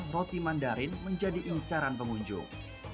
roti mandarin menjadi incaran pengunjung